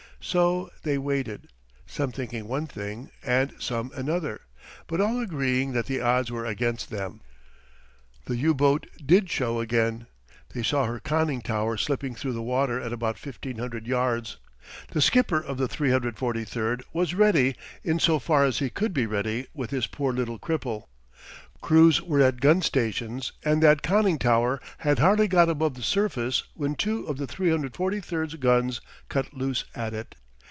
So they waited, some thinking one thing, and some another, but all agreeing that the odds were against them. The U boat did show again. They saw her conning tower slipping through the water at about 1,500 yards. The skipper of the 343 was ready in so far as he could be ready with his poor little cripple. Crews were at gun stations, and that conning tower had hardly got above the surface when two of the 343's guns cut loose at it.